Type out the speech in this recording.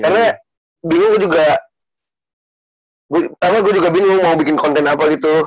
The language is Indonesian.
karena bingung juga karena gue juga bingung mau bikin konten apa gitu